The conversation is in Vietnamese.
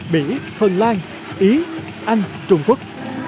mỹ phần lan ý anh trung quốc